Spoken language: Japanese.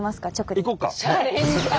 行こっか！